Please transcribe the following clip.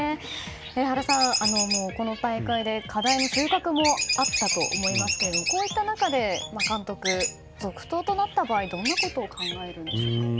原さん、この大会で課題も収穫もあったと思いますがこういった中で監督続投となった場合どんなことを考えるんでしょう。